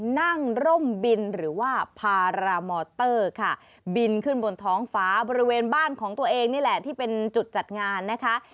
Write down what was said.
ร่มบินหรือว่าพารามอเตอร์ค่ะบินขึ้นบนท้องฟ้าบริเวณบ้านของตัวเองนี่แหละที่เป็นจุดจัดงานนะคะ